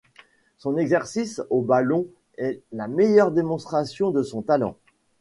Son exercice au ballon est la meilleure démonstration de son talent.